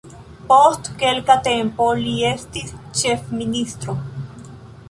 Post kelka tempo li estis ĉefministro.